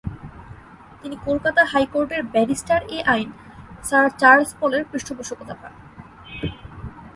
তিনি কলকাতা হাইকোর্টের ব্যারিস্টার-এ-আইন, স্যার চার্লস পলের পৃষ্ঠপোষকতা পান।